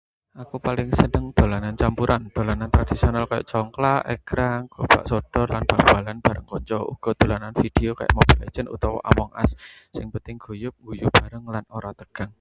Aku paling seneng dolanan campuran: dolanan tradisional kaya congklak, egrang, gobak sodor, lan bal-balan bareng kanca; uga dolanan video kaya Mobile Legends utawa Among Us. Sing penting guyub, ngguyu bareng, lan ora tegang.